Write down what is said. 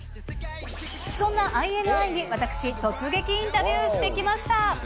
そんなＩＮＩに私、突撃インタビューしてきました。